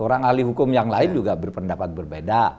orang ahli hukum yang lain juga berpendapat berbeda